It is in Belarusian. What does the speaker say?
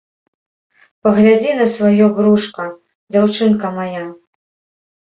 Паглядзі на сваё брушка, дзяўчынка мая!